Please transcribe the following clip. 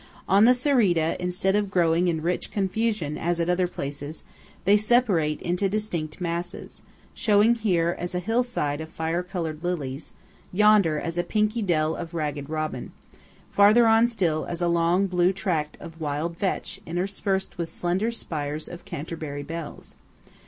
On the Cereda, instead of growing in rich confusion as at other places, they separate into distinct masses; showing here as a hillside of fire coloured lilies; yonder as a pinky dell of ragged robin; farther on still, as a long blue tract of wild vetch interspersed with slender spires of Canterbury bells.